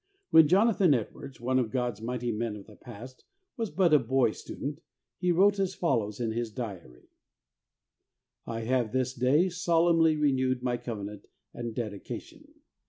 When Jonathan Edwards, one of God's mighty men of the past, was but a boy student, he wrote as follows in his diary :—' I have this day solemnly renewed my covenant and dedication.